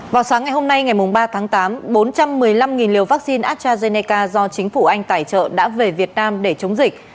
vào sáng ngày hôm nay ngày ba tháng tám bốn trăm một mươi năm liều vaccine astrazeneca do chính phủ anh tài trợ đã về việt nam để chống dịch